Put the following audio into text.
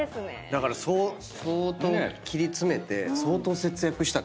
だから相当切り詰めて相当節約したってことよね。